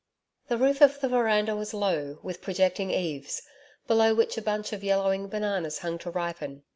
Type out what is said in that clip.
The roof of the veranda was low, with projecting eaves, below which a bunch of yellowing bananas hung to ripen.